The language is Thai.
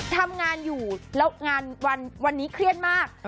ทำงานอยู่แล้วงานวันนี้เครียดมาก